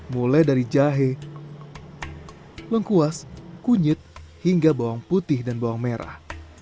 mulai dari jahe lengkuas kunyit hingga bawang putih dan bawang merah